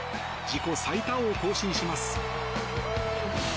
自己最多を更新します。